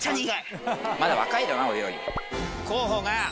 まだ若いだな俺より。